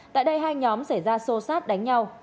tại đây hai nhóm xảy ra sô sát đánh nhau